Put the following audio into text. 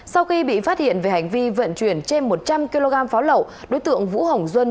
sau khi bị phát hiện về hành vi vận chuyển trên một trăm linh kg pháo lậu đối tượng vũ hồng duân